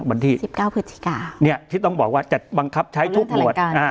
วันที่๑๙พฤษฐิกาเนี้ยที่ต้องบอกว่าจะบังคับใช้ทุกบทอ่า